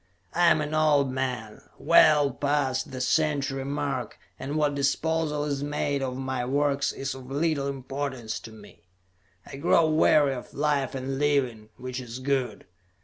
I am an old man, well past the century mark, and what disposal is made of my work is of little importance to me. I grow weary of life and living, which is good.